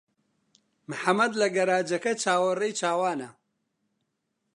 محەممەد لە گەراجەکە چاوەڕێی چاوانە.